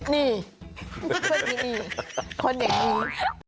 นี่เพื่อนที่นี่คนอย่างนี้